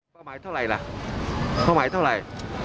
เมื่อไหร่เท่าไรล่ะเมื่อไหร่เท่าไร